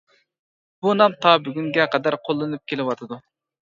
بۇ نام تا بۈگۈنگە قەدەر قوللىنىپ كېلىۋاتىدۇ.